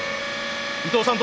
伊藤さん